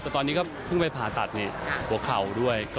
แต่ตอนนี้ก็เพิ่งไปผ่าตัดหัวเข่าด้วย